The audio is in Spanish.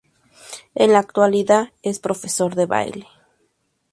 En la actualidad, es profesor de baile.